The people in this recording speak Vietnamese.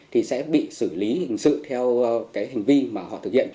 thì sẽ bị xử lý hình sự theo cái hành vi mà họ thực hiện